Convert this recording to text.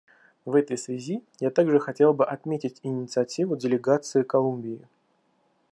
В этой связи я также хотел бы отметить инициативу делегации Колумбии.